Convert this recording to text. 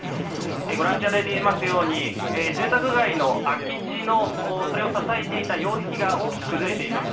ご覧いただいていますように、住宅街の空き地のそれを支えていた擁壁が大きく崩れています。